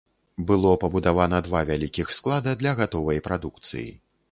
Было пабудавана два вялікіх склада для гатовай прадукцыі.